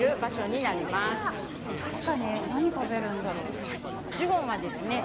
確かに何食べるんだろう。